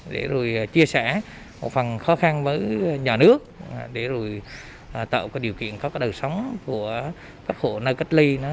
để rồi chia sẻ một phần khó khăn với nhà nước để rồi tạo cái điều kiện có cái đời sống của các hộ nơi cách ly